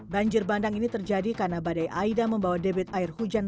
banjir bandang ini terjadi karena badai aida membawa debit air hujan